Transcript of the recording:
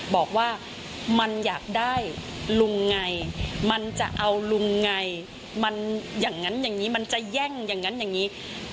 บอกว่ามันอยากได้ลุงไงมันจะเอาลุงไงมันอย่างนั้นอย่างนี้มันจะแย่งอย่างนั้นอย่างนี้